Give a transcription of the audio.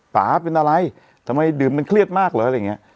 ป่าเป็นอะไรทำไมดื่มมันเครียดมากเหรออะไรอย่างนี้